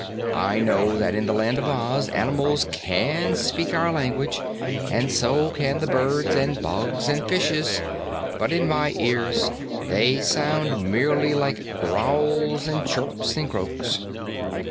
I know that in the Land of Oz animals can speak our language, and so can the birds and bugs and fishes; but in MY ears, they sound merely like growls and chirps and croaks."